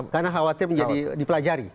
karena khawatir menjadi dipelajari